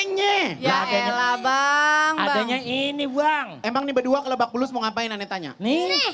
ini ya ella bang adanya ini buang emang nih berdua kelebak bulus mau ngapain aneh tanya nih